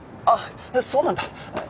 あっそうなんだ。